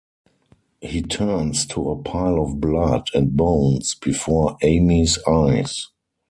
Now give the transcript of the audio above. He turns to a pile of blood and bones before Amy's eyes.